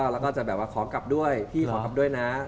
แล้วก็จะแบบว่าขอกลับด้วยพี่ขอกลับด้วยนะ